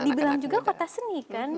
dan dibilang juga kota seni kan